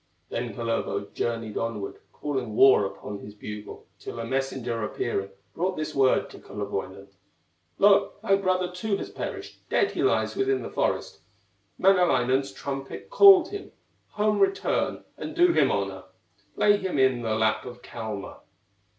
Then Kullervo journeyed onward, Calling war upon his bugle, Till a messenger appearing, Brought this word to Kullerwoinen: "Lo! thy brother too has perished, Dead he lies within the forest, Manalainen's trumpet called him; Home return and do him honor, Lay him in the lap of Kalma."